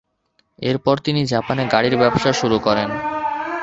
এরপর তিনি জাপানে গাড়ির ব্যবসা শুরু করেন।